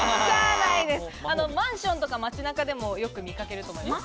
マンションとか街中でもよく見掛けると思います。